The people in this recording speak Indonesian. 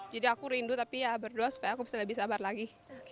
jadi aku rindu tapi ya berdoa supaya aku bisa lebih sabar lagi